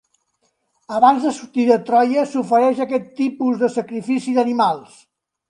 Abans de sortir de Troia, s'ofereix aquest tipus de sacrifici d'animals.